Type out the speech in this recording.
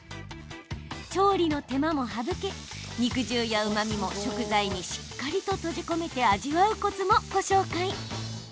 調理の手間も省け肉汁やうまみも食材にしっかりと閉じ込めて味わうコツもご紹介。